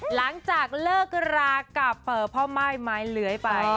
หลังจากเลิกรากับพ่อม่ายไม้เลื้อยไป